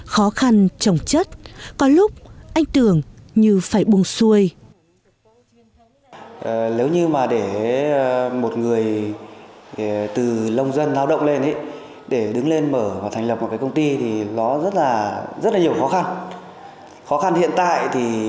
khó khăn trọng chất có lúc anh tưởng như phải buông xuôi